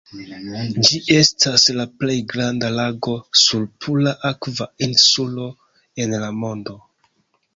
Ĝi estas la plej granda lago sur pura akva insulo en la mondo.